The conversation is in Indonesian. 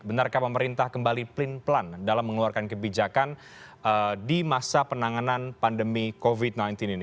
benarkah pemerintah kembali pelin pelan dalam mengeluarkan kebijakan di masa penanganan pandemi covid sembilan belas ini